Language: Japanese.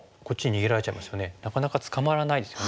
なかなか捕まらないですよね。